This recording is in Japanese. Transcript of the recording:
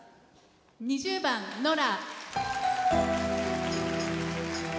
２０番「ノラ」。